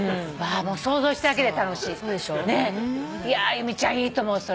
由美ちゃんいいと思う。